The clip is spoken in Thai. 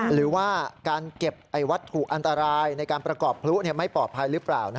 หรือว่าการเก็บวัตถุอันตรายในการประกอบพลุไม่ปลอดภัยหรือเปล่า